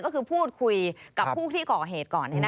ก็คือพูดคุยกับผู้ที่ก่อเหตุก่อน